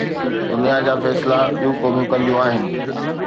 دنيا جا فيصلا ٻيون قومون ڪنديون آهن.